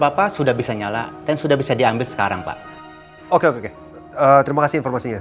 bapak sudah bisa nyala dan sudah bisa diambil sekarang pak oke oke terima kasih informasinya